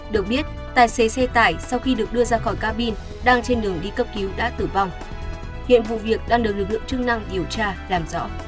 được biết tài xế xe tải sau khi được đưa ra khỏi cabin đang trên đường đi cấp cứu đã tử vong hiện vụ việc đang được lực lượng chức năng điều tra làm rõ